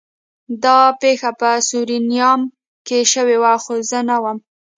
دا پیښه په سورینام کې شوې وه خو زه نه وم